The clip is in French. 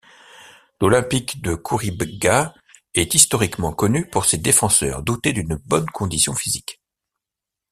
L'Olympique de Khouribga est historiquement connu pour ses défenseurs dotés d'une bonne condition physique.